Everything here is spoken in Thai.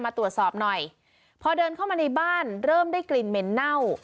มาตรวจสอบหน่อยพอเดินเข้ามาในบ้านเริ่มได้กลิ่นเหม็นเน่า